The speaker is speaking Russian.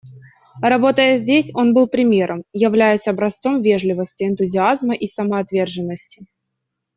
Работая здесь, он был примером, являясь образцом вежливости, энтузиазма и самоотверженности.